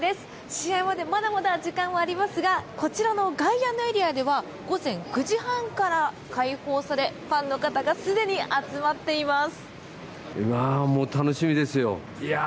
試合までまだまだ時間はありますがこちらの外野のエリアでは午前９時半から開放されファンの方がすでに集まっています。